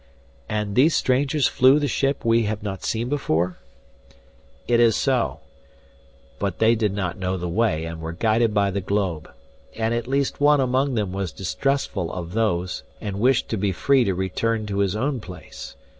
"And these strangers flew the ship we have not seen before?" "It is so. But they did not know the way and were guided by the globe. And at least one among them was distrustful of those and wished to be free to return to his own place.